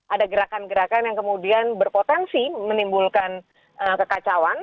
ada gerakan gerakan yang kemudian berpotensi menimbulkan kekacauan